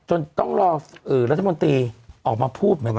ต้องรอรัฐมนตรีออกมาพูดเหมือนกัน